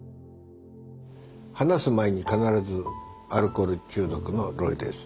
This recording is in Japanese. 話す前に必ず「アルコール中毒のロイです」。